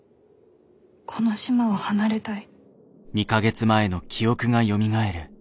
この島を離れたい。